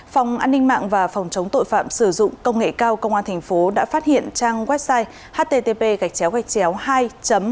phòng an ninh mạng và phòng chống tội phạm sử dụng công nghệ cao công an tp hcm đã phát hiện trang website